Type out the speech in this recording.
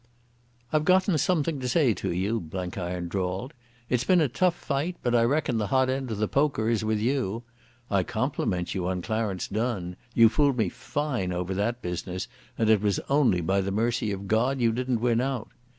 "I've gotten something to say to you," Blenkiron drawled. "It's been a tough fight, but I reckon the hot end of the poker is with you. I compliment you on Clarence Donne. You fooled me fine over that business, and it was only by the mercy of God you didn't win out.